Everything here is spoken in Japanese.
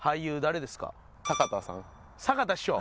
坂田師匠？